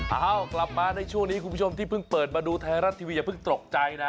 เอ้ากลับมาในช่วงนี้คุณผู้ชมที่เพิ่งเปิดมาดูไทยรัฐทีวีอย่าเพิ่งตกใจนะ